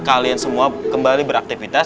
kalian semua kembali beraktivitas